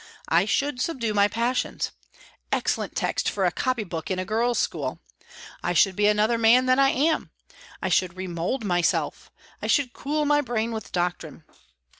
I should subdue my passions. Excellent text for a copy book in a girls' school! I should be another man than I am; I should remould myself; I should cool my brain with doctrine.